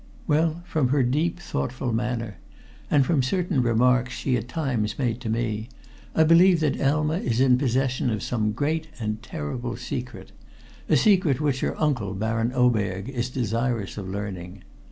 "Well, from her deep, thoughtful manner, and from certain remarks she at times made to me, I believe that Elma is in possession of some great and terrible secret a secret which her uncle, Baron Oberg, is desirous of learning.